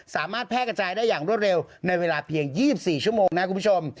สามารถแพร่กระจายได้อย่างรวดเร็วในเวลาเพียง๒๔ชั่วโมงนะคุณผู้ชม